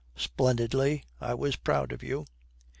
'Splendidly. I was proud of you.'